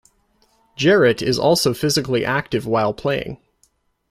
Jarrett is also physically active while playing.